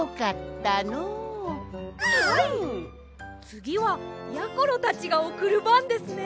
つぎはやころたちがおくるばんですね！